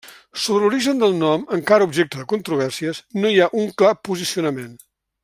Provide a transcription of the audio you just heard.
Sobre l'origen del nom, encara objecte de controvèrsies, no hi ha un clar posicionament.